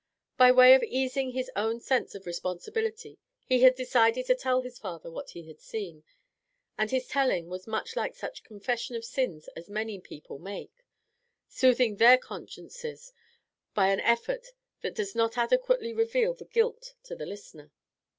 By way of easing his own sense of responsibility he had decided to tell his father what he had seen, and his telling was much like such confession of sins as many people make, soothing their consciences by an effort that does not adequately reveal the guilt to the listener.